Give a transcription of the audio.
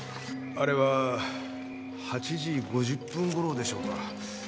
あれは８時５０分頃でしょうか。